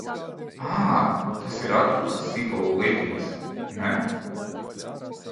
Ā, tās ir atkal tās sīpolu lietiņas, ne?